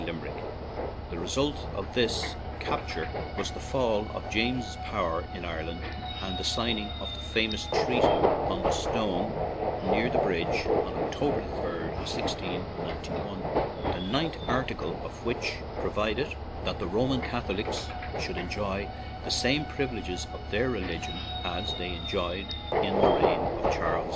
124 LIMERICK The result of this capture was the fall of James's power in Ireland and the sign ing of the famous treaty on the stone near the bridge on October 3, 169 1, the ninth article of which provided that the Roman Catholics should enjoy the same privileges of their religion as they enjoyed in the reign of Charles II.